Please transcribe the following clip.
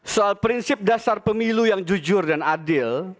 soal prinsip dasar pemilu yang jujur dan adil